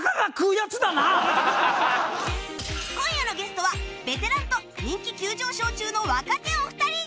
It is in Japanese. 今夜のゲストはベテランと人気急上昇中の若手お二人